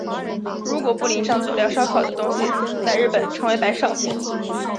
如果不淋上佐料烧烤的东西在日本称为白烧。